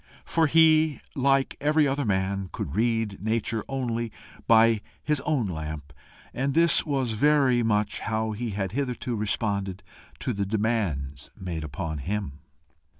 For he, like every other man, could read nature only by his own lamp, and this was very much how he had hitherto responded to the demands made upon him.